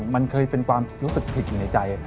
มันเคยเป็นความรู้สึกผิดอยู่ในใจ